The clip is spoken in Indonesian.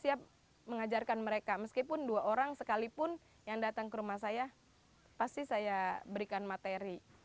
siap mengajarkan mereka meskipun dua orang sekalipun yang datang ke rumah saya pasti saya berikan materi